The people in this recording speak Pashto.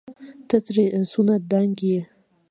ته ترې څونه دنګ يې